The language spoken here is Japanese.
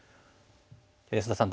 安田さん